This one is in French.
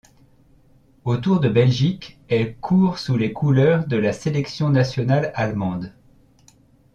Au Tour de Belgique, elle court sous les couleurs de la sélection nationale allemande.